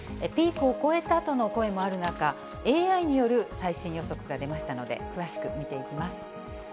ピークを越えたとの声もある中、ＡＩによる最新予測が出ましたので、詳しく見ていきます。